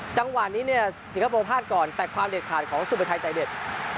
จังหวะนี้เนี่ยสิงคโปร์พลาดก่อนแต่ความเด็ดขาดของสุประชัยใจเด็ด